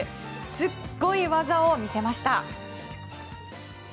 すっごい技を見せました。